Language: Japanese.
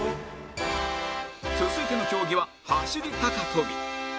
続いての競技は走り高跳び